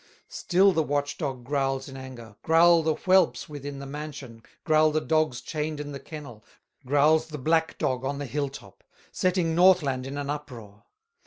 Still the watch dog growls in anger, Growl the whelps within the mansion, Growl the dogs chained in the kennel, Growls the black dog on the hill top, Setting Northland in an uproar.